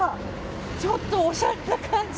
ちょっとおしゃれな感じ。